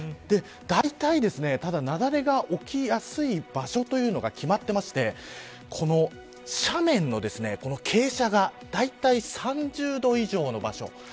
だいたい雪崩が起きやすい場所というのが決まっていまして斜面の傾斜がだいたい３０度以上の場所。